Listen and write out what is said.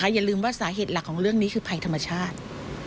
อย่าลืมว่าสาเหตุหลักของเรื่องนี้คือภัยธรรมชาติ